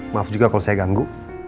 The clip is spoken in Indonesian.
maaf juga kalau saya ganggu